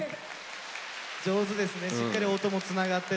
上手ですねしっかり音もつながってて。